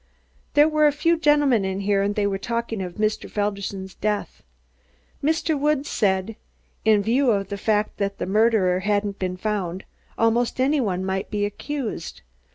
There were a few gentlemen in here and they were talking of Mr. Felderson's death. Mr. Woods said, in view of the fact that the murderer hadn't been found, almost any one might be accused.